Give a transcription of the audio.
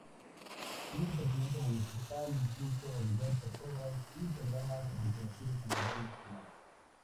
Siendo Presidente Municipal impulsó diversas obras y programas reconocidos a nivel nacional.